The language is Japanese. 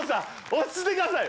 落ち着いてください。